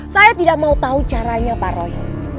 saya tidak mau tahu caranya pak roy